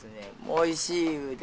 「おいしい」言うて。